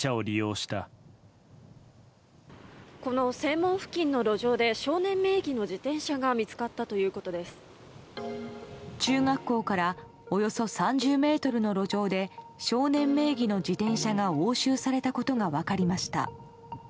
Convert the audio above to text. この正門付近の路上で少年名義の自転車が中学校からおよそ３０ｍの路上で少年名義の自転車が押収されたことが分かりました。